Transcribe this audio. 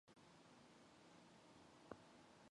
Хэрэв чи бослоо гэхэд ганцхан үр дүнд хүрнэ.